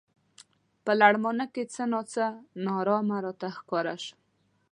په لړمانه کې څه نا څه نا ارامه راته ښکاره شو.